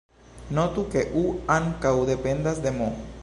Notu, ke "u" ankaŭ dependas de "m".